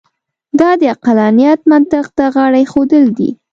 دا د عقلانیت منطق ته غاړه اېښودل دي.